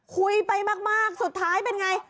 คุยไปมากสุดท้ายเป็นไง